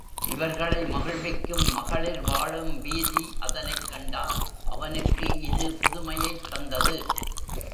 இவர்களை மகிழ்விக்கும் மகளிர் வாழும் வீதி அதனைக் கண்டான் அவனுக்கு இது புதுமையைத் தந்தது.